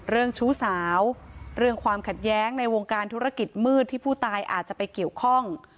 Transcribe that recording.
ชู้สาวเรื่องความขัดแย้งในวงการธุรกิจมืดที่ผู้ตายอาจจะไปเกี่ยวข้อง